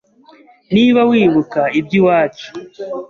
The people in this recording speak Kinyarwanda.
Niba wibuka iby'iwacu